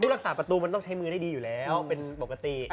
รักษาประตูมันต้องใช้มือได้ดีอยู่แล้วเป็นปกติ